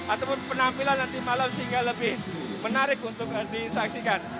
ataupun penampilan nanti malam sehingga lebih menarik untuk disaksikan